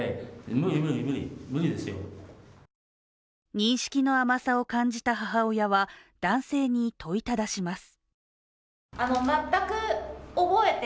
認識の甘さを感じた母親は男性に問いただします。